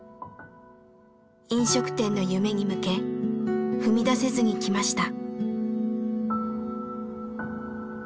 飲食店の夢に向け踏み出せずにきました。